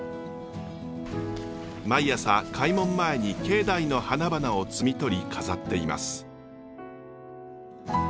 毎朝開門前に境内の花々を摘み取り飾っています。